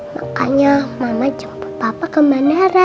makanya mama papa ke bandara